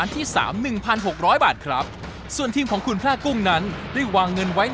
ง่ายมากเดี๋ยวจะพาไปทางร้าน